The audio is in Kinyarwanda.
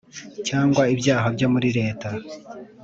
cyangwa ibyaha byo muri leta.